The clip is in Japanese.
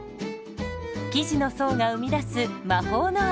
生地の層が生み出す魔法の味。